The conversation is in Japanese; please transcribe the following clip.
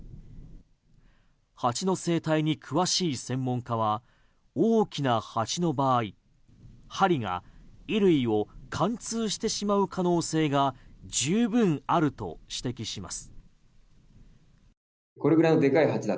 蜂の生態に詳しい専門家は大きな蜂の場合、針が衣類を貫通してしまう可能性が十分あると指摘します。